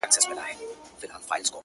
• له باغلیو څخه ډک سول گودامونه ,